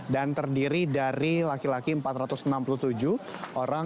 dan terdiri dari laki laki empat ratus enam puluh tujuh orang